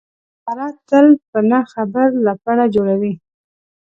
ساره تل په نه خبره لپړه جوړوي.